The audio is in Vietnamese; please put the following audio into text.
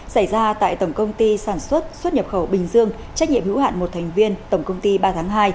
xảy ra tại tổng công ty sản xuất xuất nhập khẩu bình dương trách nhiệm hữu hạn một thành viên tổng công ty ba tháng hai